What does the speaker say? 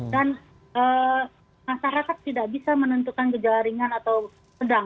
dan masyarakat tidak bisa menentukan gejala ringan atau sedang